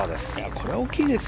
これは大きいですよ。